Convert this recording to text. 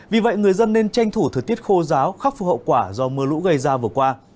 vì vậy người dân nên tranh thủ thời tiết khô giáo khắc phục hậu quả do mưa lũ gây ra vừa qua